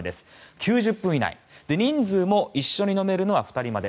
９０分以内、人数も一緒に飲めるのは２人まで。